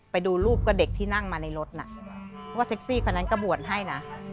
ไปดูรูปกับเด็กที่นั่งมาในรถน่ะว่าเซ็กซี่คนนั้นก็บวชให้นะ